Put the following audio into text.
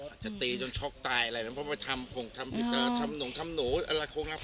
อาจจะตีจนช็อกตายอะไรแบบนั้นเพราะไม่ทำผงทำผิดเตอร์ทำหนูทำหนู